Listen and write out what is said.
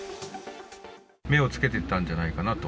目をつけてたんじゃないかなと。